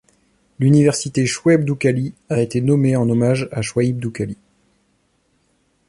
L'université Chouaib Doukkali a été nommée en hommage à Chouaïb Doukkali.